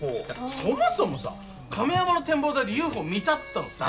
そもそもさ亀山の展望台でＵＦＯ見たっつったの誰？